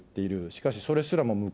しかし。